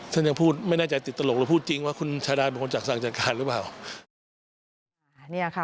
ท่านยังพูดไม่แน่ใจติดตลกหรือพูดจริงว่าคุณชาดาเป็นคนจากสั่งจัดการหรือเปล่า